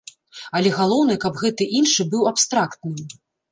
Але галоўнае, каб гэты іншы быў абстрактным.